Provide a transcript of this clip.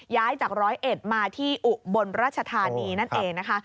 ย้ายจากร้อยเอ็ดมาที่อุบลราชธานีนั่นเองนะคะ